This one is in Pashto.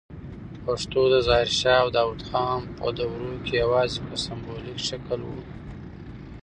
پښتو د ظاهر شاه او داود خان په دوروکي یواځې په سمبولیک شکل